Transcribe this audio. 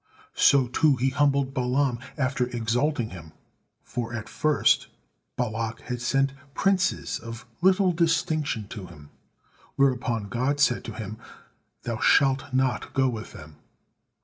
So too He humbled Balaam after exalting him, for at first Balak had sent princes of little distinction to him, whereupon God said to him, "Thou shalt not go with them."